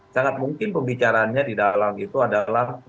sangat mungkin pembicaraannya di dalam itu adalah